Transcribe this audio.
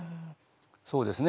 そうですね。